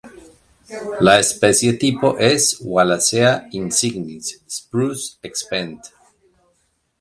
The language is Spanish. La especie tipo es: "Wallacea insignis" Spruce ex Benth.